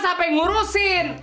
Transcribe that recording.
siapa yang ngurusin